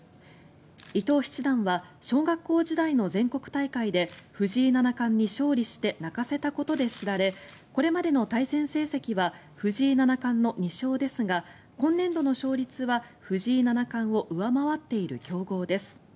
伊藤七段は小学校時代の全国大会で藤井七冠に勝利して泣かせたことで知られこれまでの対戦成績は藤井七冠の２勝ですが今年度の勝率は藤井七冠を上回っている強豪です。